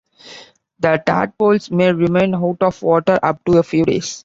The tadpoles may remain out of water up to a few days.